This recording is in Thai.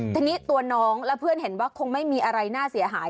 ทีนี้ตัวน้องและเพื่อนเห็นว่าคงไม่มีอะไรน่าเสียหาย